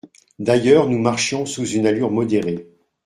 D'ailleurs, nous marchions sous une allure modérée.